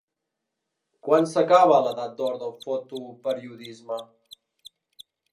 Quan s'acaba l'edat d'or del fotoperiodisme?